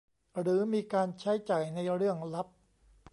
หรือมีการใช้จ่ายในเรื่องลับ